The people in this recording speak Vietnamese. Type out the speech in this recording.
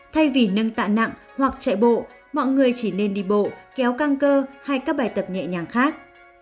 thay vì nâng tạ nặng hoặc chạy bộ mọi người chỉ nên đi bộ kéo căng cơ hay các bài tập nhẹ nhàng khác